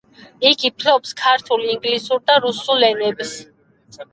იგი ფლობს ქართულ, ინგლისურ და რუსულ ენებს.